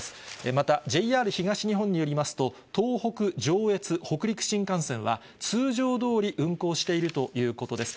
また、ＪＲ東日本によりますと、東北、上越、北陸新幹線は、通常どおり、運行しているということです。